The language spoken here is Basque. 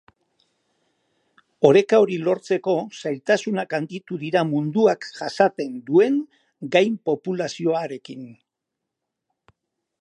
Oreka hori lortzeko zailtasunak handitu dira munduak jasaten duen gainpopulazioarekin.